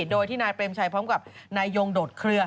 โดยที่นายเปรมชัยพร้อมกับนายยงโดดเคลือ